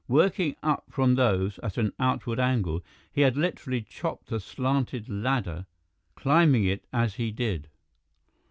Working up from those at an outward angle, he had literally chopped a slanted ladder, climbing it as he did.